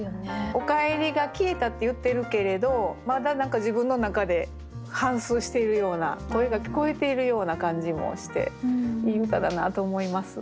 「『おかえり』が消えた」って言ってるけれどまだ何か自分の中で反すうしているような声が聞こえているような感じもしていい歌だなと思います。